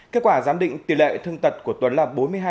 kết quả giám định tỷ lệ thương tật của tuấn là bốn mươi hai